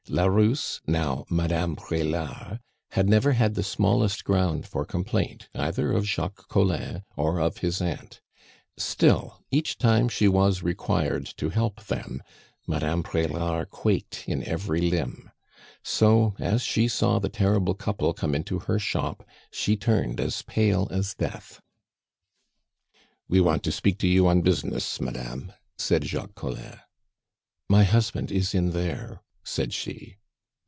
La Rousse, now Madame Prelard, had never had the smallest ground for complaint, either of Jacques Collin or of his aunt; still, each time she was required to help them, Madame Prelard quaked in every limb. So, as she saw the terrible couple come into her shop, she turned as pale as death. "We want to speak to you on business, madame," said Jacques Collin. "My husband is in there," said she.